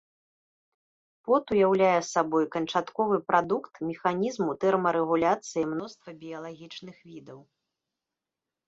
Пот уяўляе сабой канчатковы прадукт механізму тэрмарэгуляцыі мноства біялагічных відаў.